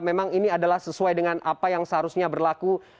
memang ini adalah sesuai dengan apa yang seharusnya berlaku